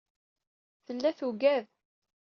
Tella tugad.